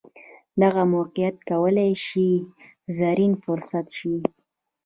دغه موقیعت کولای شي زرین فرصت شي.